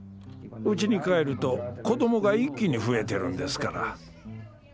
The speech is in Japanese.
うちに帰ると子どもが一気に増えてるんですから。